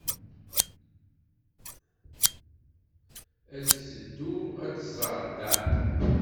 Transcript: Ad teddu ad tẓer Dan.